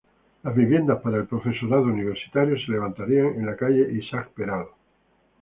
Las viviendas para el profesorado universitario se levantarían en la calle Isaac Peral.